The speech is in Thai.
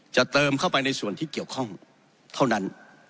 จะเติมเข้าไปในส่วนที่เกี่ยวข้องเท่านั้น